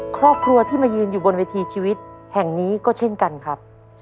ครอบครัวที่มายืนอยู่บนเวทีชีวิตแห่งนี้ก็เช่นกันครับ